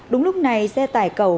đúng lúc này xe tải cầu